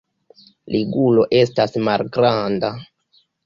Ligulo estas malgranda.